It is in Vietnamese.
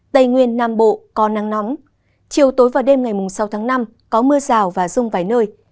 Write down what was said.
tây nguyên nam bộ có nắng nóng chiều tối và đêm ngày sáu tháng năm có mưa rào và rông vài nơi